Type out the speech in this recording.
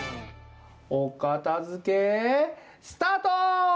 おかたづけスタート！